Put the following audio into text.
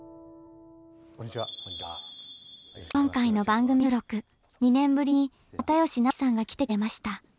今回の番組収録２年ぶりに又吉直樹さんが来てくれました。